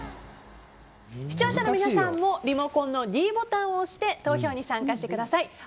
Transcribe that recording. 視聴者の皆さんもリモコンのｄボタンを押して投票に参加してください。